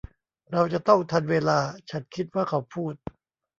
เราจะต้องทันเวลาฉันคิดว่าเขาพูด